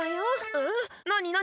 えっなになに？